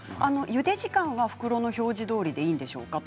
ゆで時間は袋の時間どおりで大丈夫なんでしょうか。